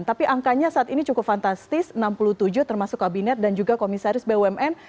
tapi angkanya saat ini cukup fantastis enam puluh tujuh termasuk kabinet dan juga komisaris bumn